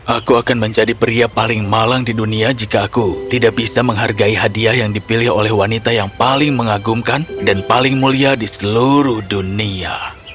aku akan menjadi pria paling malang di dunia jika aku tidak bisa menghargai hadiah yang dipilih oleh wanita yang paling mengagumkan dan paling mulia di seluruh dunia